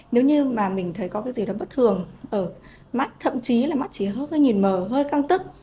nếu như mà mình thấy có cái gì đó bất thường ở mắt thậm chí là mắt chỉ hớt hơi nhìn mờ hơi căng tức